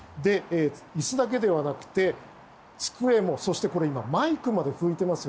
椅子だけではなくて机も、マイクまで拭いています。